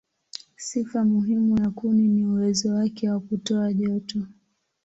Sifa muhimu ya kuni ni uwezo wake wa kutoa joto.